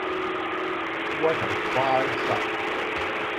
What a fine sight.